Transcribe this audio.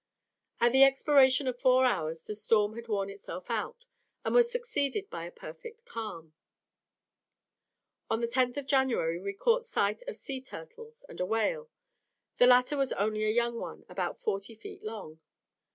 At the expiration of four hours the storm had worn itself out, and was succeeded by a perfect calm. On the 10th of January we caught sight of several sea turtles and a whale. The latter was only a young one, about forty feet long.